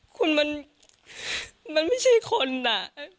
คุณมันมันไม่ใช่คนนะ